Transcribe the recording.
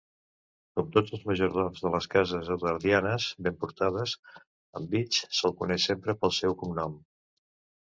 Com tots els majordoms de les cases eduardianes ben portades, en Beach se'l coneix sempre pel seu cognom.